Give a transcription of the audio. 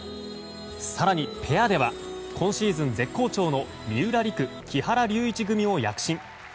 更に、ペアでは今シーズン絶好調の三浦璃来、木原龍一組も躍進。